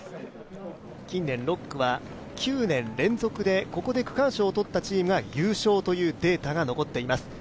近年６区は９年連続で、ここで区間賞を取ったチームが優勝というデータが残っています。